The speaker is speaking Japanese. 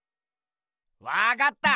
わかった！